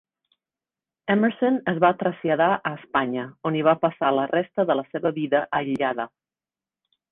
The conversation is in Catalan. Emerson es va traslladar a Espanya, on hi va passar la resta de la seva vida aïllada.